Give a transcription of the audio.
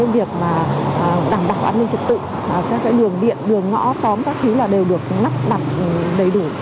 và đảm bảo an ninh trật tự các đường điện đường ngõ xóm các thứ là đều được nắp đặt đầy đủ